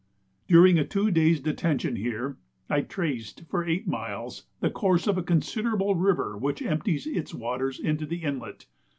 During a two days' detention here I traced, for eight miles, the course of a considerable river which empties its waters into the inlet.